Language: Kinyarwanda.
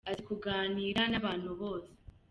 Azi kuganira n'abantu bose.